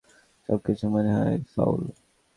সবকিছু মনে হয় ফাউল।